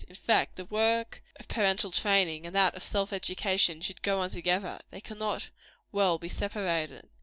In fact, the work of parental training and that of self education, should go on together; they cannot well be separated.